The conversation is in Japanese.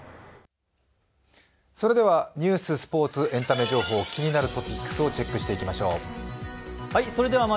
それでは、ニュース、スポーツ、エンタメ情報、気になるトピックスをチェックしていきましょう。